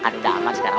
tidak aman sekarang